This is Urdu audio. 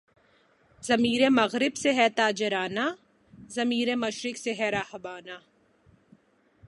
ضمیرِ مغرب ہے تاجرانہ، ضمیر مشرق ہے راہبانہ